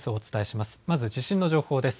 まず地震の情報です。